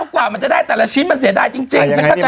กว่ามันจะได้แต่ละชิ้นมันเสียดายจริง